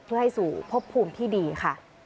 เพื่อให้สู่พบภูมิที่ดีค่ะ